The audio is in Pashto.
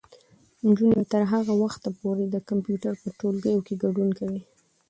نجونې به تر هغه وخته پورې د کمپیوټر په ټولګیو کې ګډون کوي.